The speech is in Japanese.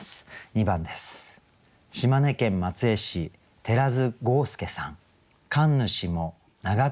２番です。